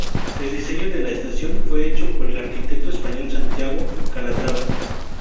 El diseño de la la estación fue hecho por el arquitecto español Santiago Calatrava.